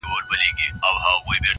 سرکښي یې له ازله په نصیب د تندي سوله،